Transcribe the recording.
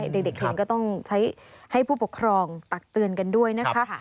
เด็กเองก็ต้องใช้ให้ผู้ปกครองตักเตือนกันด้วยนะคะ